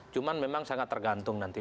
cuman memang sangat tergantung nanti